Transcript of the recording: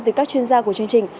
từ các chuyên gia của chương trình